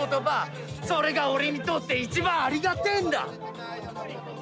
それが俺にとって一番ありがてえんだ！